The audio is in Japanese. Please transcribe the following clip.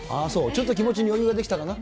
ちょっと気持ちに余裕ができたかな。